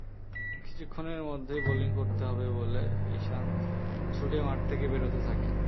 কিছুক্ষণের মধ্যেই বোলিং করতে হবে বলে ইশান্ত ছুটে মাঠ থেকে বেরোতে থাকেন।